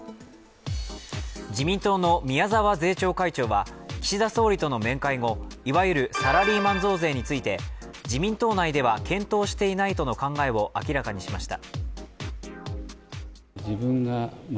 自民党の宮沢税調会長は、岸田総理との面会後いわゆるサラリーマン増税について、自民党内では検討していないとの考えを明らかにしました。